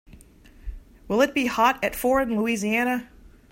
Will it be hot at four in Louisiana?